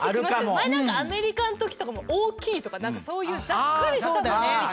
前なんかアメリカの時とかも「大きい」とかなんかそういうざっくりしたものみたいなのが。